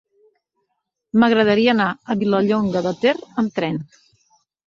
M'agradaria anar a Vilallonga de Ter amb tren.